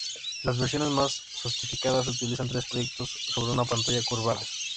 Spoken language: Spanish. Las versiones más sofisticadas utilizan tres proyectores sobre una pantalla curvada.